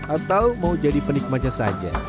atau mau jadi penikmatnya saja